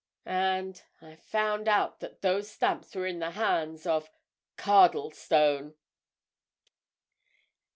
And—I found out that those stamps were in the hands of—Cardlestone!"